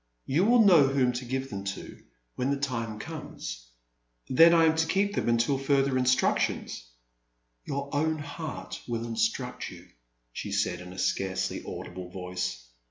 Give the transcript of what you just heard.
You will know whom to give them to when the time comes." Then I am to keep them until further instruc tions?'' " Your own heart will instruct you," she said, in a scarcely audible voice.